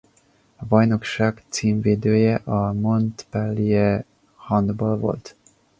A bajnokság címvédője a Montpellier Handball volt.